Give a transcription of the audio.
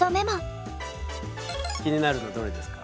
気になるのどれですか？